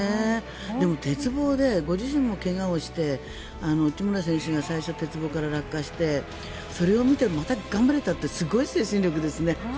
でも、鉄棒でご自身も怪我をして内村選手が最初、鉄棒から落下してそれを見てまた頑張れたってすごい精神力ですね。